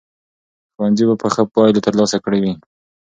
ښوونځي به ښه پایلې ترلاسه کړې وي.